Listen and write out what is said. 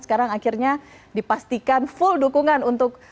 sekarang akhirnya dipastikan full dukungan untuk